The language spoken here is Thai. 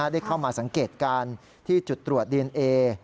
ได้เข้ามาสังเกตการณ์ที่จุดตรวจดีเอนเอ